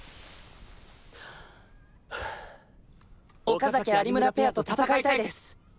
岡崎・有村ペアと戦いたいです！